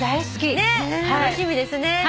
ねえ楽しみですね。